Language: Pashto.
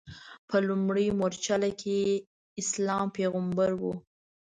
په لومړۍ مورچله کې اسلام پیغمبر و.